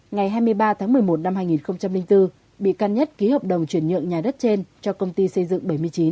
ngày hai mươi ba tháng một mươi một năm hai nghìn bốn bị can nhất ký hợp đồng chuyển nhượng nhà đất trên cho công ty xây dựng bảy mươi chín